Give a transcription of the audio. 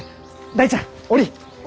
大ちゃん下りい。